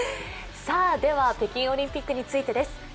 では北京オリンピックについてです。